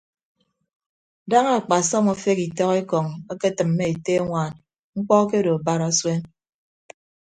Daña akpasọm afeghe itọk ekọñ eketʌmmọ ete añwaan mkpọ akedo barasuen.